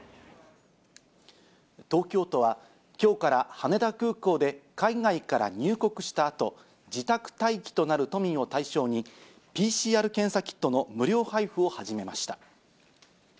東京都は、きょうから羽田空港で海外から入国したあと自宅待機となる都民を対象に、ＰＣＲ検査キットの無料配布を始めました。